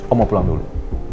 om mau pulang dulu